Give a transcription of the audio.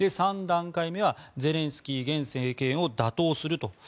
３段階目はゼレンスキー現政権を打倒すると。